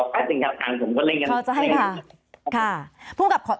ไปจังงงี้ครับงั้นว่าเรย์รี่เราจะให้ค่ะ